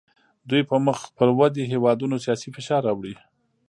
دوی په مخ پر ودې هیوادونو سیاسي فشار راوړي